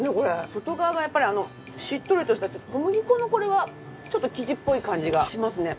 外側がやっぱりあのしっとりとした小麦粉のこれはちょっと生地っぽい感じがしますね。